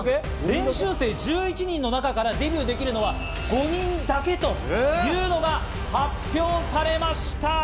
練習生１１人の中からデビューできるのは５人だけというのが発表されました。